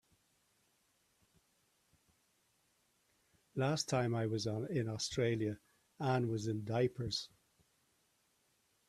Last time I was in Australia Anne was in diapers.